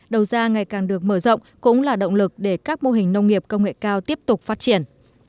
đầu ra ngày càng được mở rộng cũng là động lực để các mô hình nông nghiệp công nghệ cao tiếp tục phát triển